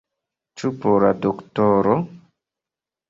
Ĉu por la doktoro?